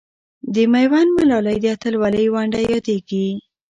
د میوند ملالۍ د اتلولۍ ونډه یادېږي.